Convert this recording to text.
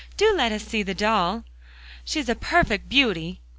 Do let us see the doll." "She's a perfec' beauty!"